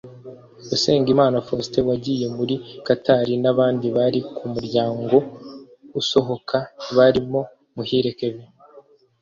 Usengimana Faustin wagiye muri Qatar n’abandi bari ku muryango usohoka barimo Muhire Kevin